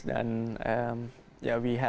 dan ya kita